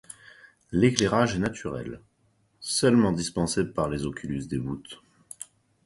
L’éclairage est naturel, seulement dispensé par les oculus des voûtes.